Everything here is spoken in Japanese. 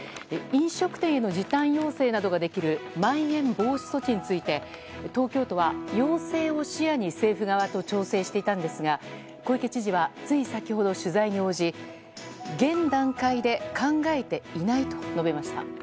飲食店への時短要請などができるまん延防止措置について東京都は要請を視野に政府側と調整していたんですが小池知事は、つい先ほど取材に応じ現段階で考えていないと述べました。